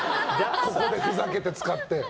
ここでふざけて使って。